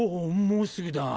もうすぐだ。